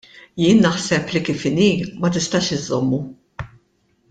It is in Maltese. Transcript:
Jien naħseb li kif inhi ma tistax iżżommu.